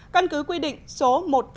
căn cứ quy định số một trăm tám mươi một